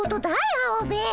アオベエ。